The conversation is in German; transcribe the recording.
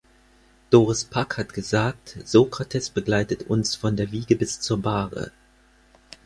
Doris Pack hat gesagt, Sokrates begleitet uns von der Wiege bis zur Bahre.